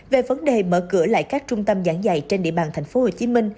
về vấn đề mở cửa lại các trung tâm giảng dạy trên địa bàn tp hcm